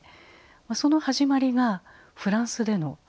その始まりがフランスでの評価。